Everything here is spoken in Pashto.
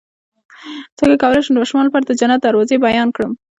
څنګه کولی شم د ماشومانو لپاره د جنت دروازې بیان کړم